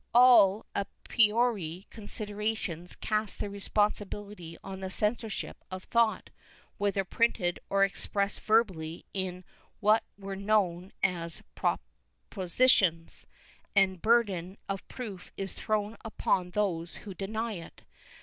All a priori considerations cast the responsibility on the censorship of thought, whether printed or expressed verbally in what were known as "propositions," and the burden of proof is thro"v\ii upon those who deny it.